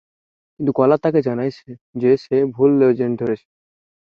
কিন্তু কলার তাকে জানায় যে সে ভুল লেজেন্ড ধরেছে।